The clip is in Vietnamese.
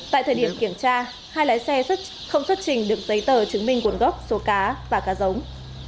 tại thời điểm kiểm tra hai lái xe không xuất trình được giấy tờ chứng minh nguồn gốc số cá và cá giống